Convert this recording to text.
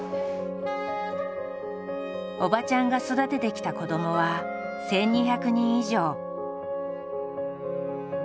おばちゃんが育ててきた子どもは１，２００人以上。